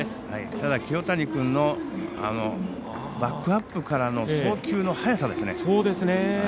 清谷君のバックアップからの送球の速さですね。